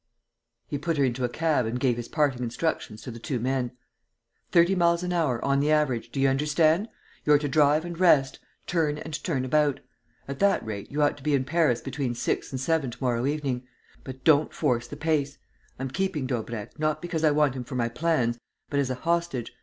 He put her into a cab and gave his parting instructions to the two men: "Thirty miles an hour, on the average, do you understand? You're to drive and rest, turn and turn about. At that rate, you ought to be in Paris between six and seven to morrow evening. But don't force the pace. I'm keeping Daubrecq, not because I want him for my plans, but as a hostage